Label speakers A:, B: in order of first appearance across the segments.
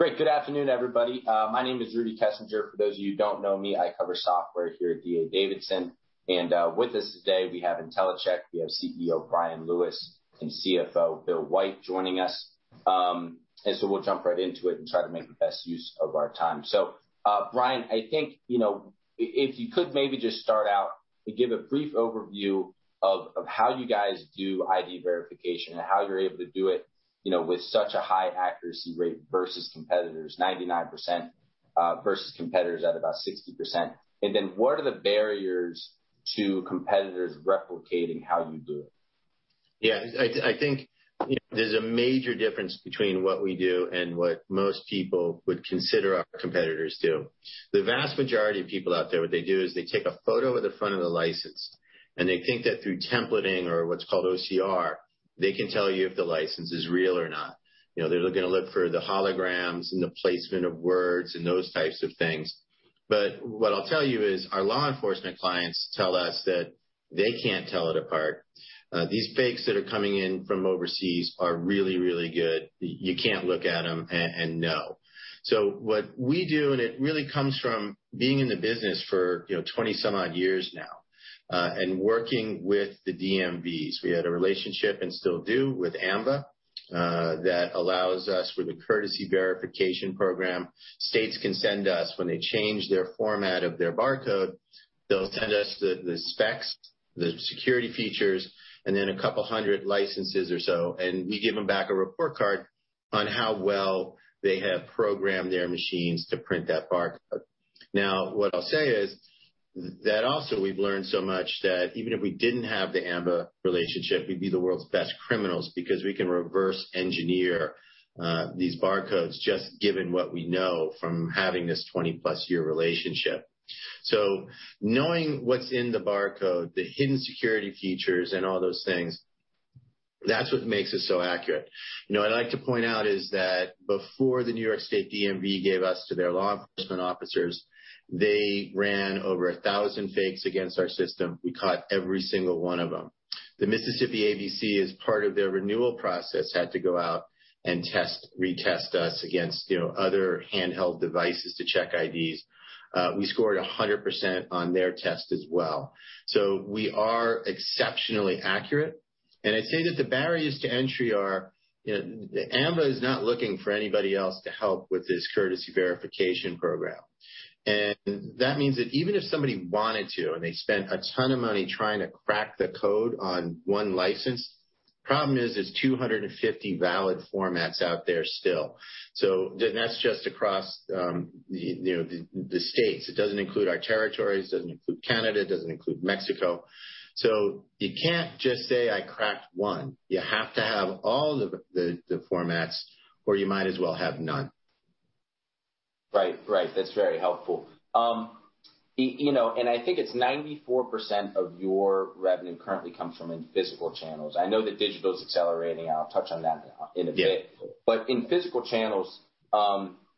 A: Great. Good afternoon, everybody. My name is Rudy Kessinger. For those of you who don't know me, I cover software here at D.A. Davidson, and with us today, we have Intellicheck. We have CEO Bryan Lewis and CFO Bill White joining us, and so we'll jump right into it and try to make the best use of our time, so, Bryan, I think if you could maybe just start out and give a brief overview of how you guys do ID verification and how you're able to do it with such a high accuracy rate versus competitors, 99% versus competitors at about 60%. And then what are the barriers to competitors replicating how you do it?
B: Yeah. I think there's a major difference between what we do and what most people would consider our competitors do. The vast majority of people out there, what they do is they take a photo of the front of the license, and they think that through templating or what's called OCR, they can tell you if the license is real or not. They're going to look for the holograms and the placement of words and those types of things. But what I'll tell you is our law enforcement clients tell us that they can't tell it apart. These fakes that are coming in from overseas are really, really good. You can't look at them and know. So what we do, and it really comes from being in the business for 20 some odd years now and working with the DMVs. We had a relationship and still do with AAMVA that allows us with a courtesy verification program. States can send us when they change their format of their barcode. They'll send us the specs, the security features, and then a couple hundred licenses or so, and we give them back a report card on how well they have programmed their machines to print that barcode. Now, what I'll say is that also we've learned so much that even if we didn't have the AAMVA relationship, we'd be the world's best criminals because we can reverse engineer these barcodes just given what we know from having this 20-plus-year relationship. Knowing what's in the barcode, the hidden security features, and all those things, that's what makes it so accurate. I'd like to point out, is that before the New York State DMV gave us to their law enforcement officers, they ran over 1,000 fakes against our system. We caught every single one of them. The Mississippi ABC, as part of their renewal process, had to go out and retest us against other handheld devices to check IDs. We scored 100% on their test as well. So we are exceptionally accurate. And I'd say that the barriers to entry are AAMVA is not looking for anybody else to help with this courtesy verification program. And that means that even if somebody wanted to and they spent a ton of money trying to crack the code on one license, the problem is there's 250 valid formats out there still. So that's just across the states. It doesn't include our territories. It doesn't include Canada. It doesn't include Mexico. So you can't just say, "I cracked one." You have to have all the formats, or you might as well have none.
A: Right. Right. That's very helpful. And I think it's 94% of your revenue currently comes from in physical channels. I know that digital is accelerating. I'll touch on that in a bit. But in physical channels,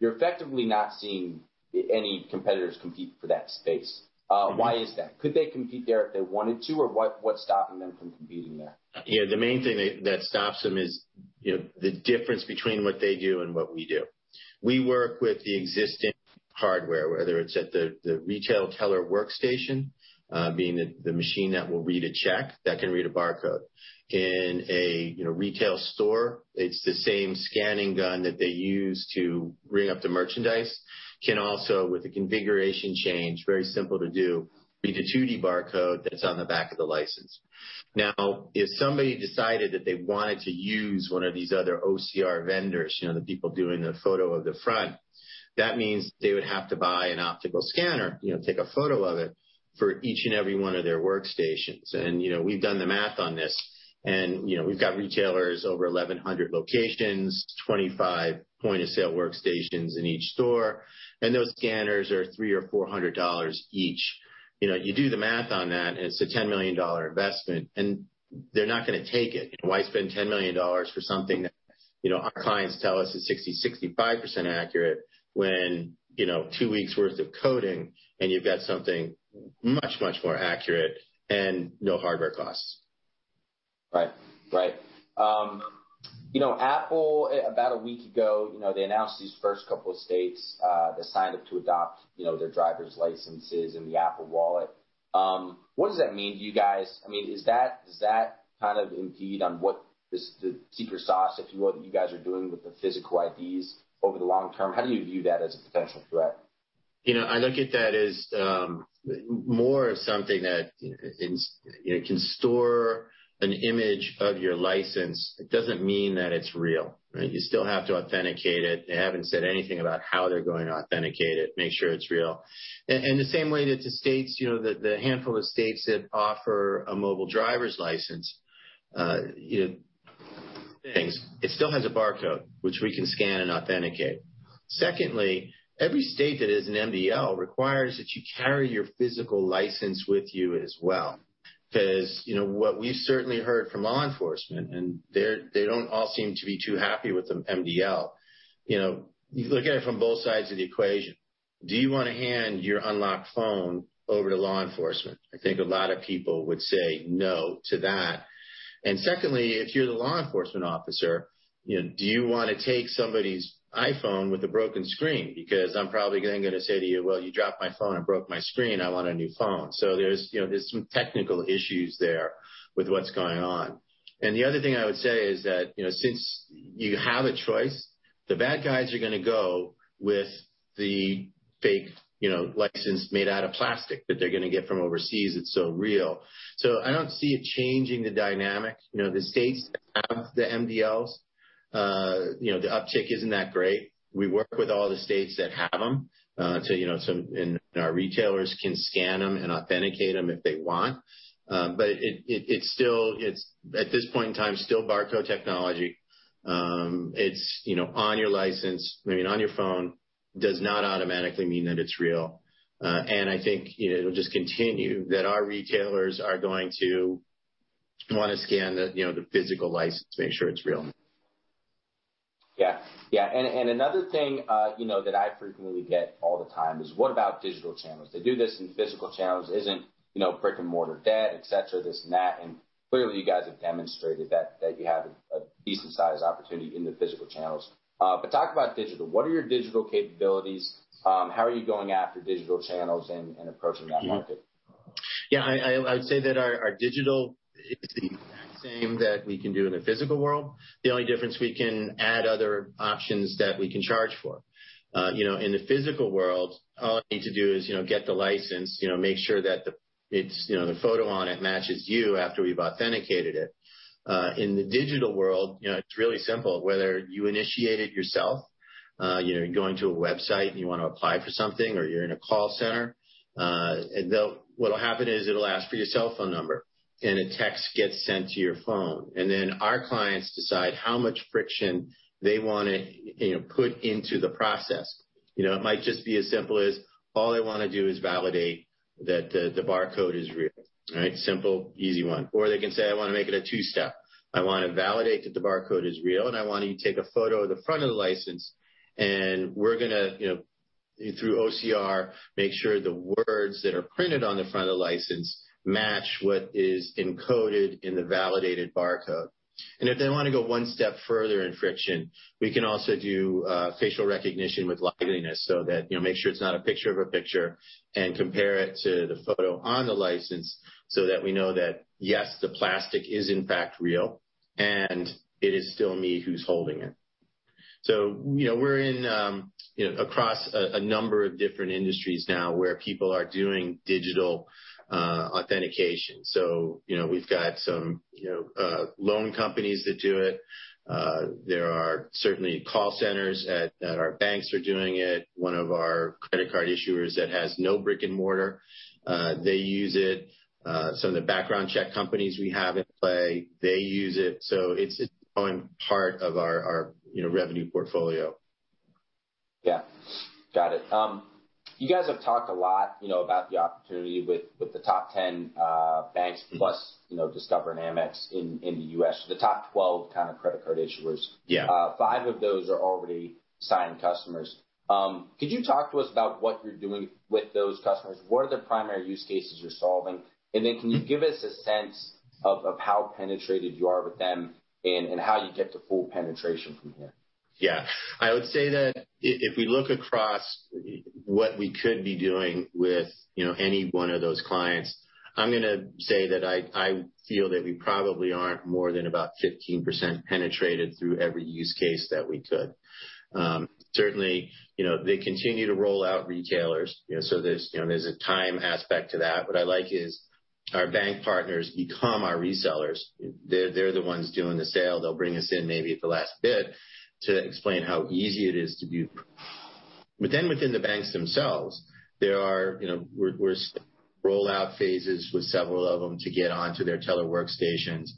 A: you're effectively not seeing any competitors compete for that space. Why is that? Could they compete there if they wanted to, or what's stopping them from competing there?
B: Yeah. The main thing that stops them is the difference between what they do and what we do. We work with the existing hardware, whether it's at the retail teller workstation, being the machine that will read a check that can read a barcode. In a retail store, it's the same scanning gun that they use to ring up the merchandise, can also, with a configuration change, very simple to do, read a 2D barcode that's on the back of the license. Now, if somebody decided that they wanted to use one of these other OCR vendors, the people doing the photo of the front, that means they would have to buy an optical scanner, take a photo of it for each and every one of their workstations. And we've done the math on this. And we've got retailers over 1,100 locations, 25 point-of-sale workstations in each store. And those scanners are three or four hundred dollars each. You do the math on that, and it's a $10 million investment, and they're not going to take it. Why spend $10 million for something that our clients tell us is 60%-65% accurate when two weeks' worth of coding and you've got something much, much more accurate and no hardware costs?
A: Right. Right. Apple, about a week ago, they announced these first couple of states that signed up to adopt their driver's licenses and the Apple Wallet. What does that mean to you guys? I mean, does that kind of impede on what the secret sauce, if you will, that you guys are doing with the physical IDs over the long term? How do you view that as a potential threat?
B: I look at that as more of something that can store an image of your license. It doesn't mean that it's real. You still have to authenticate it. They haven't said anything about how they're going to authenticate it, make sure it's real, and the same way that the states, the handful of states that offer a Mobile Driver's License, it still has a barcode, which we can scan and authenticate. Secondly, every state that is an MDL requires that you carry your physical license with you as well. Because what we've certainly heard from law enforcement, and they don't all seem to be too happy with the MDL, you look at it from both sides of the equation. Do you want to hand your unlocked phone over to law enforcement? I think a lot of people would say no to that. Secondly, if you're the law enforcement officer, do you want to take somebody's iPhone with a broken screen? Because I'm probably then going to say to you, "Well, you dropped my phone and broke my screen. I want a new phone." So there's some technical issues there with what's going on. And the other thing I would say is that since you have a choice, the bad guys are going to go with the fake license made out of plastic that they're going to get from overseas that's so real. So I don't see it changing the dynamic. The states that have the MDLs, the uptick isn't that great. We work with all the states that have them, so our retailers can scan them and authenticate them if they want. But at this point in time, still barcode technology, it's on your license, I mean, on your phone, does not automatically mean that it's real, and I think it'll just continue that our retailers are going to want to scan the physical license, make sure it's real.
A: Yeah. Yeah. And another thing that I frequently get all the time is, "What about digital channels? They do this in physical channels. Isn't brick and mortar dead, et cetera, this and that?" And clearly, you guys have demonstrated that you have a decent-sized opportunity in the physical channels. But talk about digital. What are your digital capabilities? How are you going after digital channels and approaching that market?
B: Yeah. I would say that our digital is the same that we can do in the physical world. The only difference, we can add other options that we can charge for. In the physical world, all you need to do is get the license, make sure that the photo on it matches you after we've authenticated it. In the digital world, it's really simple. Whether you initiate it yourself, you're going to a website and you want to apply for something, or you're in a call center, what'll happen is it'll ask for your cell phone number, and a text gets sent to your phone. And then our clients decide how much friction they want to put into the process. It might just be as simple as all they want to do is validate that the barcode is real. All right? Simple, easy one. Or they can say, "I want to make it a two-step. I want to validate that the barcode is real, and I want you to take a photo of the front of the license, and we're going to, through OCR, make sure the words that are printed on the front of the license match what is encoded in the validated barcode." And if they want to go one step further in friction, we can also do facial recognition with liveness so that make sure it's not a picture of a picture and compare it to the photo on the license so that we know that, yes, the plastic is in fact real, and it is still me who's holding it. So we're across a number of different industries now where people are doing digital authentication. So we've got some loan companies that do it. There are certainly call centers that our banks are doing it. One of our credit card issuers that has no brick-and-mortar, they use it. Some of the background check companies we have in play, they use it. So it's becoming part of our revenue portfolio.
A: Yeah. Got it. You guys have talked a lot about the opportunity with the top 10 banks plus Discover and Amex in the U.S., the top 12 kind of credit card issuers. Five of those are already signed customers. Could you talk to us about what you're doing with those customers? What are the primary use cases you're solving? And then can you give us a sense of how penetrated you are with them and how you get to full penetration from here?
B: Yeah. I would say that if we look across what we could be doing with any one of those clients, I'm going to say that I feel that we probably aren't more than about 15% penetrated through every use case that we could. Certainly, they continue to roll out retailers. So there's a time aspect to that. What I like is our bank partners become our resellers. They're the ones doing the sale. They'll bring us in maybe at the last bit to explain how easy it is to do. But then within the banks themselves, we're still in rollout phases with several of them to get onto their teller workstations.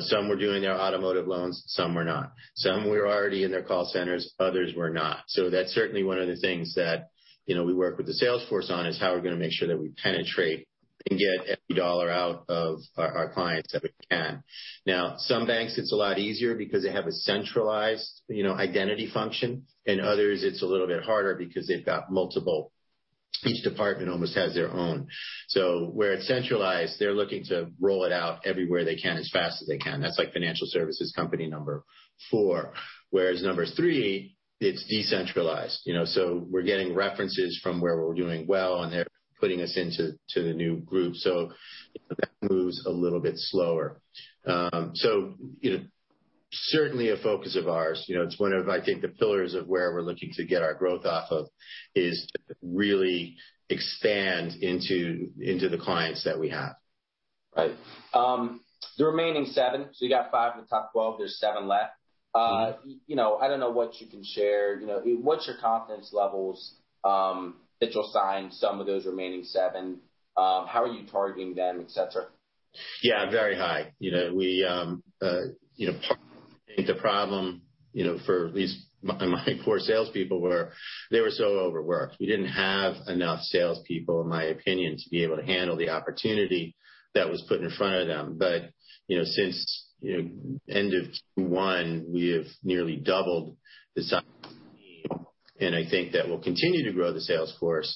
B: Some were doing their automotive loans. Some were not. Some were already in their call centers. Others were not. So that's certainly one of the things that we work with the salesforce on is how we're going to make sure that we penetrate and get every dollar out of our clients that we can. Now, some banks, it's a lot easier because they have a centralized identity function. In others, it's a little bit harder because they've got multiple each department almost has their own. So where it's centralized, they're looking to roll it out everywhere they can as fast as they can. That's like financial services company number four. Whereas number three, it's decentralized. So we're getting references from where we're doing well, and they're putting us into the new group. So that moves a little bit slower. So certainly a focus of ours. It's one of, I think, the pillars of where we're looking to get our growth off of is to really expand into the clients that we have.
A: Right. The remaining seven. So you got five of the top 12. There's seven left. I don't know what you can share. What's your confidence levels that you'll sign some of those remaining seven? How are you targeting them, et cetera?
B: Yeah. Very high. We partly think the problem for at least my poor salespeople were they were so overworked. We didn't have enough salespeople, in my opinion, to be able to handle the opportunity that was put in front of them. But since end of 2021, we have nearly doubled the size of the team. And I think that we'll continue to grow the salesforce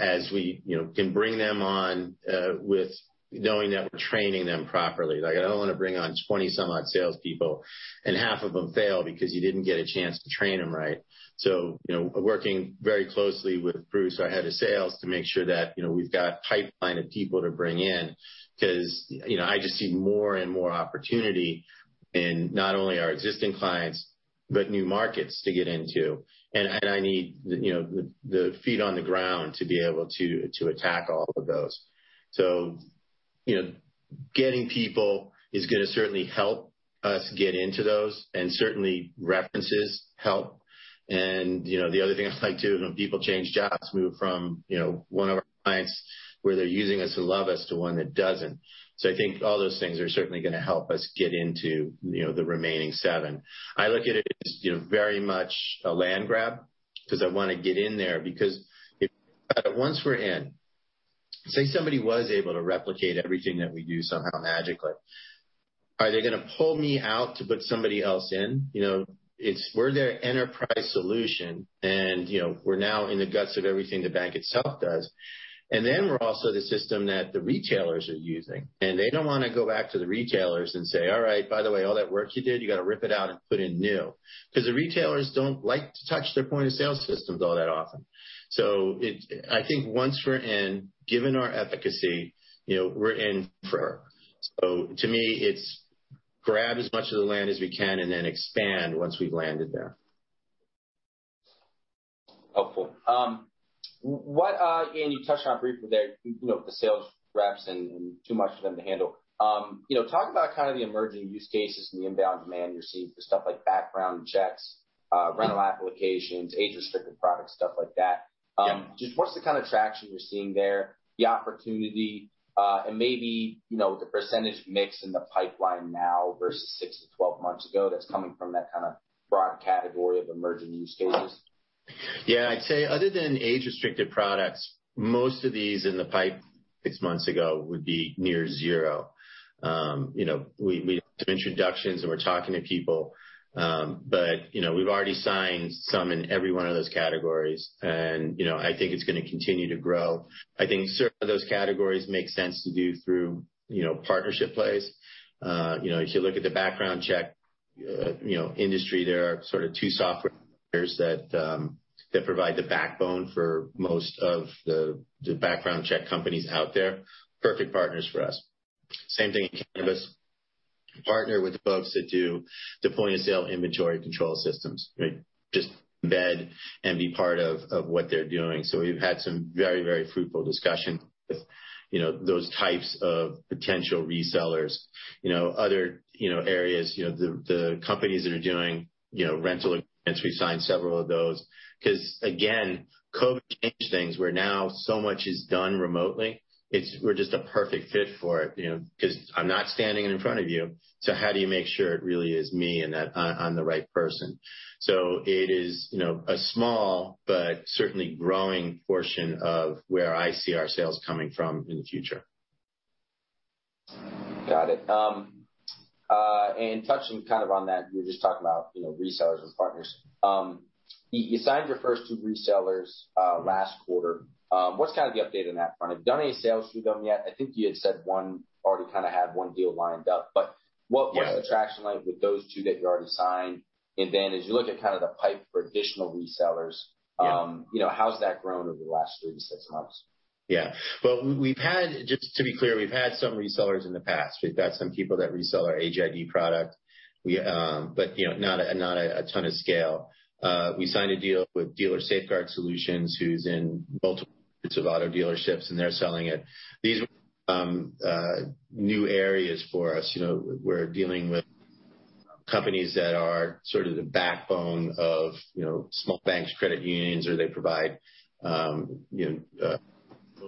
B: as we can bring them on with knowing that we're training them properly. I don't want to bring on 20-some-odd salespeople, and half of them fail because you didn't get a chance to train them right. So working very closely with Bruce, our head of sales, to make sure that we've got a pipeline of people to bring in because I just see more and more opportunity in not only our existing clients, but new markets to get into. And I need the feet on the ground to be able to attack all of those. So getting people is going to certainly help us get into those, and certainly references help. And the other thing I'd like to do is when people change jobs, move from one of our clients where they're using us to love us to one that doesn't. So I think all those things are certainly going to help us get into the remaining seven. I look at it as very much a land grab because I want to get in there. Because once we're in, say somebody was able to replicate everything that we do somehow magically, are they going to pull me out to put somebody else in? We're their enterprise solution, and we're now in the guts of everything the bank itself does. And then we're also the system that the retailers are using. And they don't want to go back to the retailers and say, "All right. By the way, all that work you did, you got to rip it out and put in new." Because the retailers don't like to touch their point-of-sale systems all that often. So I think once we're in, given our efficacy, we're in for. So to me, it's grab as much of the land as we can and then expand once we've landed there.
A: Helpful. And you touched on briefly there the sales reps and too much for them to handle. Talk about kind of the emerging use cases and the inbound demand you're seeing for stuff like background checks, rental applications, age-restricted products, stuff like that. Just what's the kind of traction you're seeing there, the opportunity, and maybe the percentage mix in the pipeline now versus 6 to 12 months ago that's coming from that kind of broad category of emerging use cases?
B: Yeah. I'd say other than age-restricted products, most of these in the pipeline six months ago would be near zero. We have some introductions, and we're talking to people. But we've already signed some in every one of those categories. And I think it's going to continue to grow. I think certain of those categories make sense to do through partnership plays. If you look at the background check industry, there are sort of two software vendors that provide the backbone for most of the background check companies out there. Perfect partners for us. Same thing in cannabis. Partner with the folks that do the point-of-sale inventory control systems. Just embed and be part of what they're doing. So we've had some very, very fruitful discussions with those types of potential resellers. Other areas, the companies that are doing rental agreements, we've signed several of those. Because again, COVID changed things. Where now so much is done remotely, we're just a perfect fit for it. Because I'm not standing in front of you, so how do you make sure it really is me and that I'm the right person? So it is a small but certainly growing portion of where I see our sales coming from in the future.
A: Got it, and touching kind of on that, you were just talking about resellers and partners. You signed your first two resellers last quarter. What's kind of the update on that front? Have you done any sales through them yet? I think you had said one already kind of had one deal lined up. But what's the traction like with those two that you already signed? And then as you look at kind of the pipe for additional resellers, how's that grown over the last three to six months?
B: Yeah. Well, just to be clear, we've had some resellers in the past. We've got some people that resell our HID product, but not a ton of scale. We signed a deal with Dealer Safeguard Solutions, who's in multiple types of auto dealerships, and they're selling it. These are new areas for us. We're dealing with companies that are sort of the backbone of small banks, credit unions, or they provide loan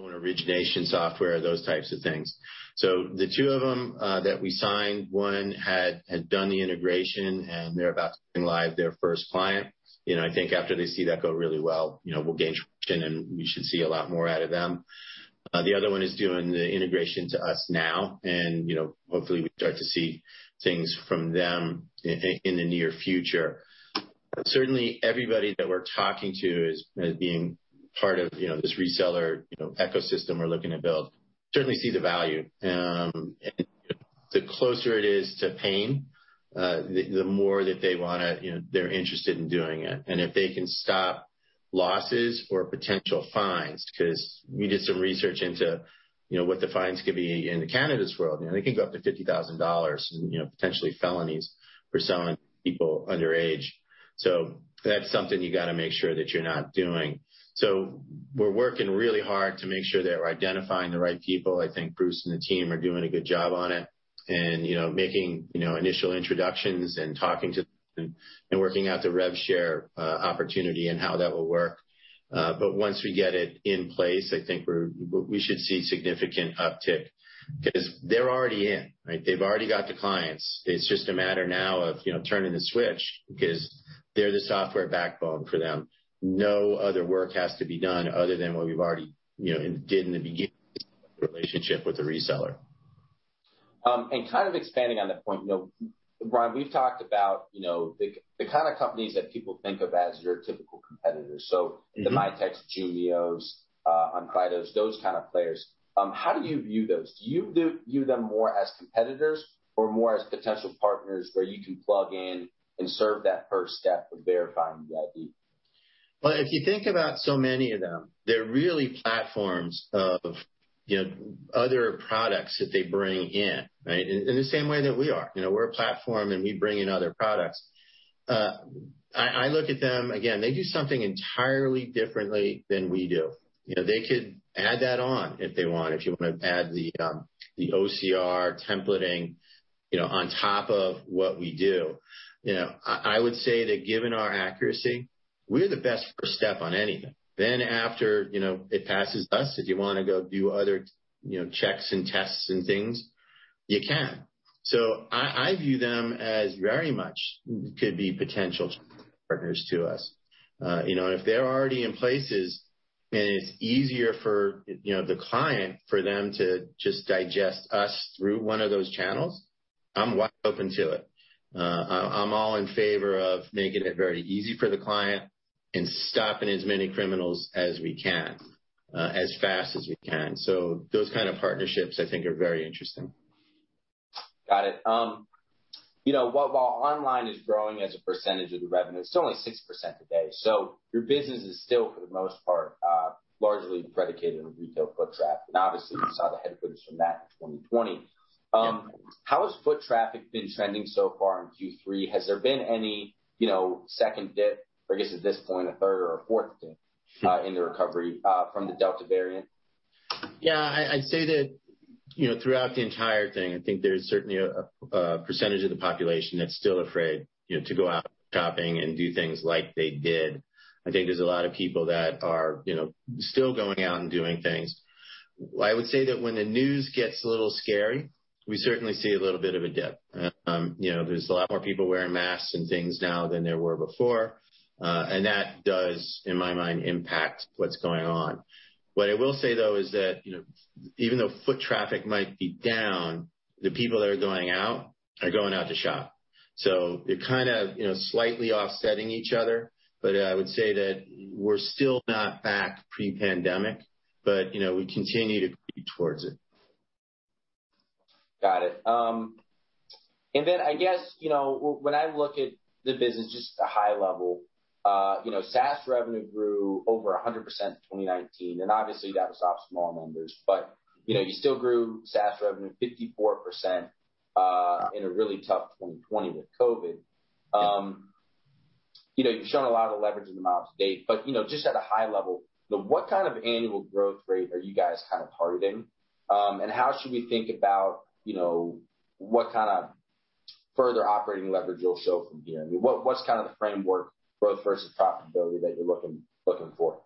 B: origination software, those types of things. So the two of them that we signed, one had done the integration, and they're about to bring live their first client. I think after they see that go really well, we'll gain traction, and we should see a lot more out of them. The other one is doing the integration to us now, and hopefully, we start to see things from them in the near future. Certainly, everybody that we're talking to as being part of this reseller ecosystem we're looking to build certainly see the value, and the closer it is to paying, the more that they want to, they're interested in doing it. And if they can stop losses or potential fines because we did some research into what the fines could be in Canada's world, they can go up to $50,000 and potentially felonies for selling people underage, so that's something you got to make sure that you're not doing. So we're working really hard to make sure that we're identifying the right people. I think Bruce and the team are doing a good job on it and making initial introductions and talking to them and working out the rev share opportunity and how that will work. But once we get it in place, I think we should see significant uptick because they're already in. They've already got the clients. It's just a matter now of turning the switch because they're the software backbone for them. No other work has to be done other than what we've already did in the beginning of the relationship with the reseller.
A: And kind of expanding on that point, Bryan, we've talked about the kind of companies that people think of as your typical competitors. So the Mitek, Jumio's, Onfido's, those kind of players. How do you view those? Do you view them more as competitors or more as potential partners where you can plug in and serve that first step of verifying the ID?
B: If you think about so many of them, they're really platforms of other products that they bring in, right, in the same way that we are. We're a platform, and we bring in other products. I look at them, again, they do something entirely differently than we do. They could add that on if they want, if you want to add the OCR templating on top of what we do. I would say that given our accuracy, we're the best first step on anything. After it passes us, if you want to go do other checks and tests and things, you can. I view them as very much could be potential partners to us. If they're already in places and it's easier for the client for them to just digest us through one of those channels, I'm wide open to it. I'm all in favor of making it very easy for the client and stopping as many criminals as we can as fast as we can. So those kind of partnerships, I think, are very interesting.
A: Got it. While online is growing as a percentage of the revenue, it's only 6% today. So your business is still, for the most part, largely predicated on retail foot traffic. And obviously, you saw the headwinds from that in 2020. How has foot traffic been trending so far in Q3? Has there been any second dip, or I guess at this point, a third or a fourth dip in the recovery from the Delta variant?
B: Yeah. I'd say that throughout the entire thing, I think there's certainly a percentage of the population that's still afraid to go out shopping and do things like they did. I think there's a lot of people that are still going out and doing things. I would say that when the news gets a little scary, we certainly see a little bit of a dip. There's a lot more people wearing masks and things now than there were before. And that does, in my mind, impact what's going on. What I will say, though, is that even though foot traffic might be down, the people that are going out are going out to shop. So you're kind of slightly offsetting each other, but I would say that we're still not back pre-pandemic, but we continue to creep towards it.
A: Got it. And then I guess when I look at the business, just at a high level, SaaS revenue grew over 100% in 2019. And obviously, that was off small numbers. But you still grew SaaS revenue 54% in a really tough 2020 with COVID. You've shown a lot of leverage in the model to date. But just at a high level, what kind of annual growth rate are you guys kind of targeting? And how should we think about what kind of further operating leverage you'll show from here? What's kind of the framework growth versus profitability that you're looking for?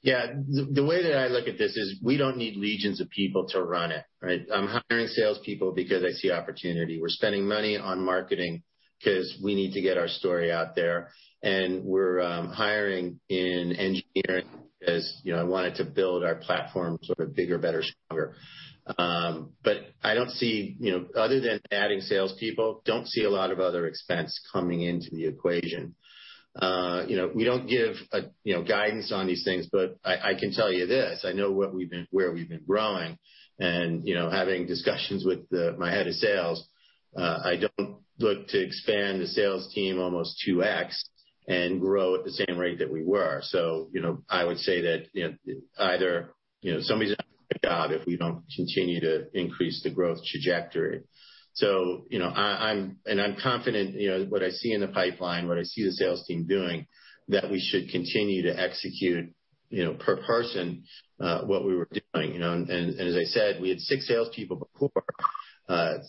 B: Yeah. The way that I look at this is we don't need legions of people to run it, right? I'm hiring salespeople because I see opportunity. We're spending money on marketing because we need to get our story out there. And we're hiring in engineering because I wanted to build our platform sort of bigger, better, stronger. But I don't see, other than adding salespeople, I don't see a lot of other expense coming into the equation. We don't give guidance on these things, but I can tell you this. I know where we've been growing. And having discussions with my head of sales, I don't look to expand the sales team almost 2x and grow at the same rate that we were. So I would say that either somebody's not going to get a job if we don't continue to increase the growth trajectory. I'm confident what I see in the pipeline, what I see the sales team doing, that we should continue to execute per person what we were doing. As I said, we had six salespeople before,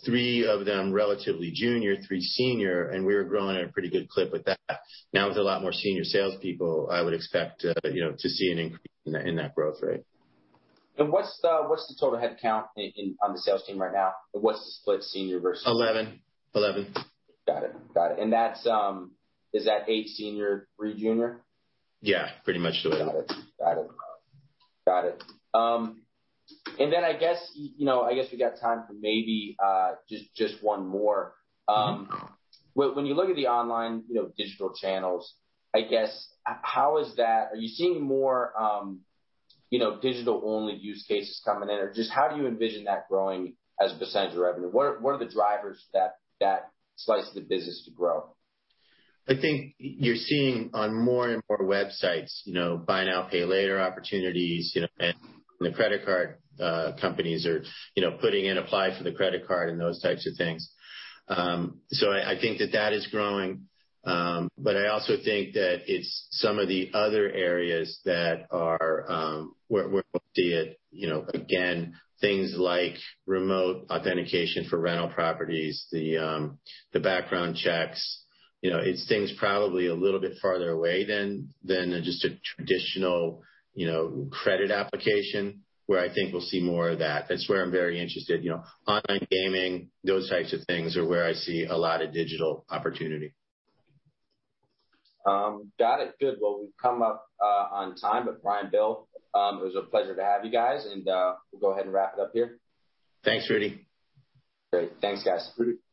B: three of them relatively junior, three senior, and we were growing at a pretty good clip with that. Now with a lot more senior salespeople, I would expect to see an increase in that growth rate.
A: What's the total headcount on the sales team right now? What's the split senior versus?
B: 11. 11.
A: Got it. Got it. And is that eight senior, three junior?
B: Yeah. Pretty much the way it is.
A: Got it. Got it. Got it. And then I guess we got time for maybe just one more. When you look at the online digital channels, I guess, how is that? Are you seeing more digital-only use cases coming in? Or just how do you envision that growing as a percentage of revenue? What are the drivers that slice the business to grow?
B: I think you're seeing on more and more websites Buy Now, Pay Later opportunities, and the credit card companies are putting in apply for the credit card and those types of things, so I think that that is growing, but I also think that it's some of the other areas that we're going to see it. Again, things like remote authentication for rental properties, the background checks. It's things probably a little bit farther away than just a traditional credit application, where I think we'll see more of that. That's where I'm very interested. Online gaming, those types of things are where I see a lot of digital opportunity.
A: Got it. Good. We've come up on time. Bryan, Bill, it was a pleasure to have you guys. We'll go ahead and wrap it up here.
B: Thanks, Rudy.
A: Great. Thanks, guys.